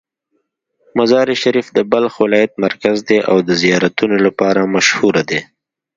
مزار شریف د بلخ ولایت مرکز دی او د زیارتونو لپاره مشهوره ده.